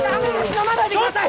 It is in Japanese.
飲まないでください！